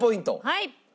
はい。